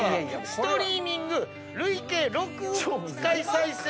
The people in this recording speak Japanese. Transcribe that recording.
ストリーミング累計６億回再生